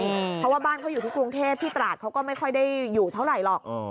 เพราะว่าบ้านเขาอยู่ที่กรุงเทพที่ตราดเขาก็ไม่ค่อยได้อยู่เท่าไหร่หรอก